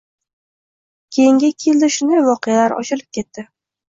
Keyingi ikki yilda shunday voqealar ochilib ketdi.